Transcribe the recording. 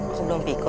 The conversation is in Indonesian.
aku belum pikun